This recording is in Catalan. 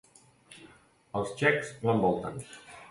Els txecs l'envolten.